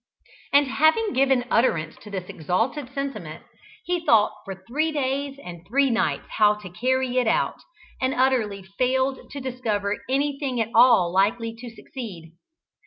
And having given utterance to this exalted sentiment, he thought for three days and three nights how to carry it out, and utterly failed to discover anything at all likely to succeed.